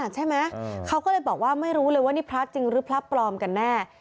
ใช่ไหมเขาก็เลยบอกว่าไม่รู้เลยว่านี่พระจริงหรือพระปลอมกันแน่